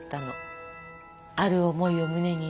ある思いを胸にね。